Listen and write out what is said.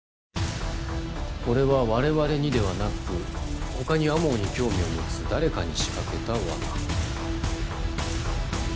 これは我々にではなく他に天羽に興味を持つ誰かに仕掛けた罠。